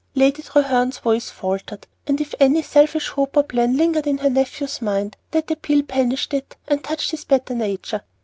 Lady Treherne's voice faltered, and if any selfish hope or plan lingered in her nephew's mind, that appeal banished it and touched his better nature.